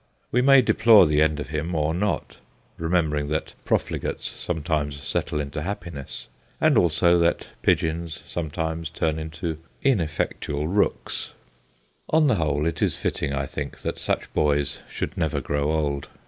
We may deplore the end of him or not, remembering that profligates sometimes settle into happiness, and also that pigeons sometimes turn into ineffectual rooks. On IMPERIAL STRATEGY 145 the whole it is fitting, I think, that such boys should never grow old.